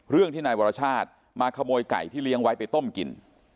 เรื่องที่นายวรชาติมาขโมยไก่ที่เลี้ยงไว้ไปต้มกิน